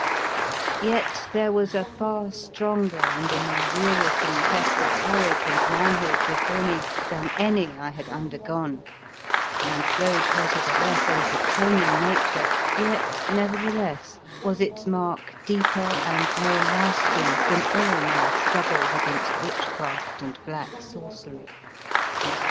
Yet there was a far stronger and a more wearisome test of courage and manhood before me than any I had 128 The Fearsome Island undergone, and, though 'twas of a less entertaining nature, yet, nevertheless, was its mark deeper and more lasting than all my struggles against witchcraft and black sorcery.